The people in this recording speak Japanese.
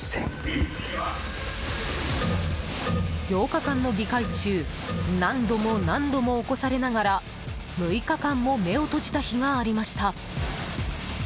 ８日間の議会中、何度も何度も起こされながら６日間も目を閉じた日がありました。